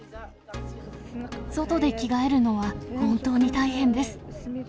外で着替えるのは本当に大変です。